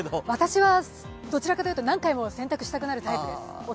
私はどちらかというと何回も洗濯したくなるタイプです。